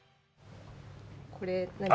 これ何か。